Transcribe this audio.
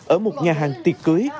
ở một nhà hàng tiệc cưới